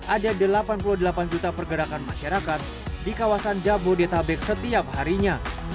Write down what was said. ada delapan puluh delapan juta pergerakan masyarakat di kawasan jabodetabek setiap harinya